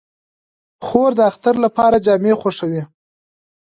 خور د اختر لپاره جامې خوښوي.